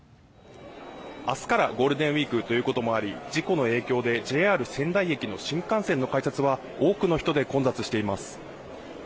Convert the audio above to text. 「明日からゴールデンウィークということもあり事故の影響でＪＲ仙台駅の新幹線の改札は多くの人で混雑しています」